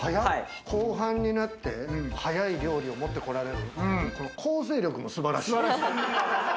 後半になって早い料理を持ってこられる、構成力も素晴らしい。